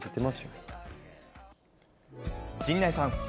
陣内さん。